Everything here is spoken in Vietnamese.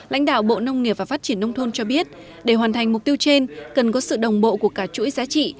lãnh đạo bộ nông nghiệp và phát triển nông thôn cho biết để hoàn thành mục tiêu trên cần có sự đồng bộ của cả chuỗi giá trị